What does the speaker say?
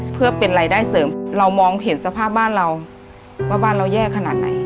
เพื่อเป็นรายได้เสริมเรามองเห็นสภาพบ้านเราว่าบ้านเราแย่ขนาดไหน